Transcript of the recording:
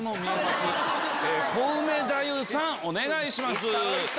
コウメ太夫さんお願いします。